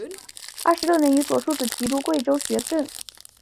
二十六年以左庶子提督贵州学政。